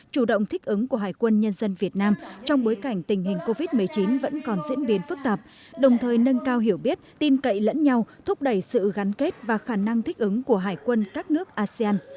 chủ động thích ứng của hải quân nhân dân việt nam trong bối cảnh tình hình covid một mươi chín vẫn còn diễn biến phức tạp đồng thời nâng cao hiểu biết tin cậy lẫn nhau thúc đẩy sự gắn kết và khả năng thích ứng của hải quân các nước asean